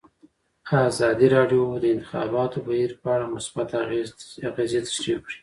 ازادي راډیو د د انتخاباتو بهیر په اړه مثبت اغېزې تشریح کړي.